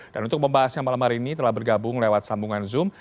dan untuk membahasnya malam hari ini telah bergabung lewat sambungan zoom